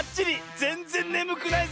ぜんぜんねむくないぜ！